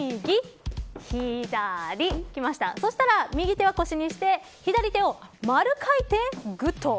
左そしたら、右手は腰にして左手を丸描いてグッド。